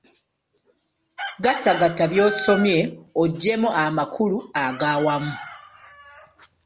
Gattagatta by'osomye oggyemu amakulu aga wamu.